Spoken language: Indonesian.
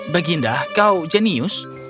dragon pernah sayang kau jenius